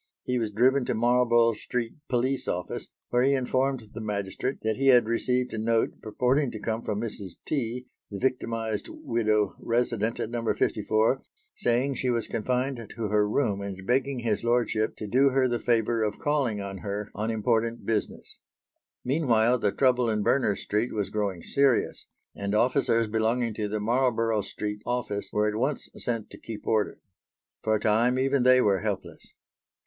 He was driven to Marlborough Street police office where he informed the magistrate that he had received a note purporting to come from Mrs. T., the victimised widow resident at No. 54, saying she was confined to her room and begging his lordship to do her the favour of calling on her on important business. Meanwhile, the trouble in Berners Street was growing serious, and officers belonging to the Marlborough Street office were at once sent to keep order. For a time even they were helpless.